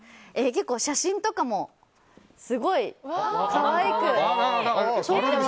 結構、写真とかもすごい可愛く。